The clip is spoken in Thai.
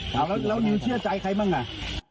แล้วนิ้วเชื่อใจใครมั่งอ่ะ